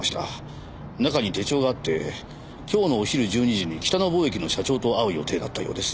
中に手帳があって今日のお昼１２時に北野貿易の社長と会う予定だったようです。